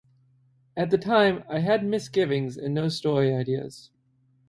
At the time I had misgivings and no story ideas.